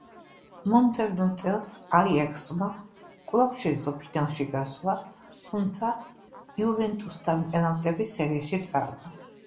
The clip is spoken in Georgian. მომდევნო წელს „აიაქსმა“ კვლავ შეძლო ფინალში გასვლა, თუმცა „იუვენტუსთან“ პენალტების სერიაში წააგო.